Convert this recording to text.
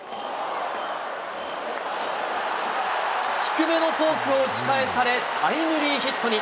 低めのフォークを打ち返され、タイムリーヒットに。